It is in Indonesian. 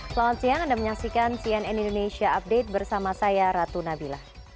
selamat siang anda menyaksikan cnn indonesia update bersama saya ratu nabila